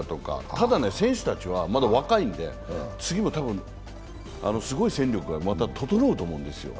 ただ、選手たちはまだ若いんで次も多分、すごい戦力がまた整うと思うんですよ。